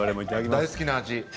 大好きな味。